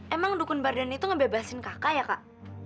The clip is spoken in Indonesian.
emang dukun bardan itu ngebebasin kakak ya kak